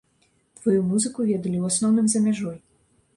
Тваю музыку ведалі ў асноўным за мяжой.